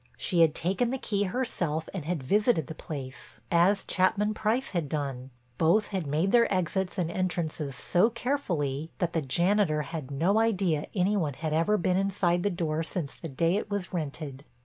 She had taken the key herself and had visited the place, as Chapman Price had done. Both had made their exits and entrances so carefully that the janitor had no idea any one had ever been inside the door since the day it was rented.